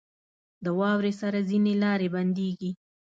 • د واورې سره ځینې لارې بندېږي.